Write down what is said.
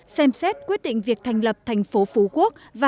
xem xét quyết định việc thành lập thành phố phú quốc